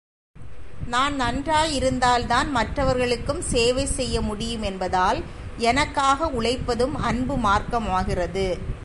நான் நன்றாயிருந்தால்தான் மற்றவர்களுக்கும் சேவை செய்ய முடியும் என்பதால், எனக்காக உழைப்பதும் அன்பு மார்க்கமாகிறது!